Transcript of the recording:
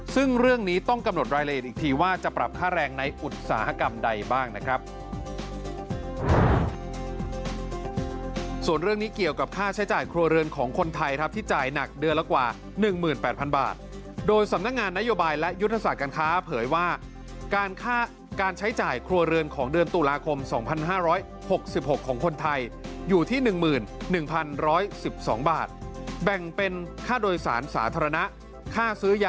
ส่วนเรื่องนี้เกี่ยวกับค่าใช้จ่ายครัวเรือนของคนไทยทัพที่จ่ายหนักเดือนละกว่าหนึ่งหมื่นแปดพันบาทโดยสำนักงานนโยบายและยุทธศาสตร์การค้าเผยว่าการค่าการใช้จ่ายครัวเรือนของเดือนตุลาคมสองพันห้าร้อยหกสิบหกของคนไทยอยู่ที่หนึ่งหมื่นหนึ่งพันร้อยสิบสองบาทแบ่งเป็นค่าโดยสารสาธารณะค่าซื้อย